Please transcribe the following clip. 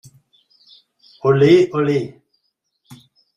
Olé, olé!